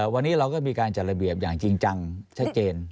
วันนี้เราก็มีการจัดระเบียบอย่างจริงจังชัดเจน